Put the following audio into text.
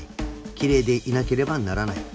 ［きれいでいなければならない］